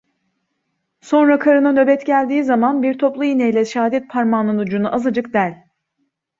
Sonra karına nöbet geldiği zaman bir topluiğneyle şahadetparmağının ucunu azıcık del…